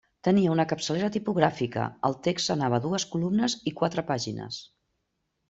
Tenia una capçalera tipogràfica, el text anava a dues columnes i quatre pàgines.